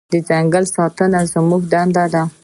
د ځنګل ساتنه زموږ دنده ده.